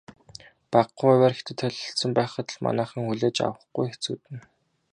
Багахан хувиар Хятад холилдсон байхад л манайхан хүлээж авахгүй хэцүүднэ.